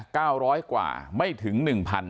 เก้าร้อยกว่าไม่ถึงหนึ่งพัน